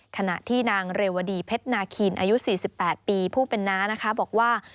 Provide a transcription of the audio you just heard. ขณะที่นางเรวดีเพชรนาคินอายุ๔๘ปีผู้เป็นน้านะคะบอกว่า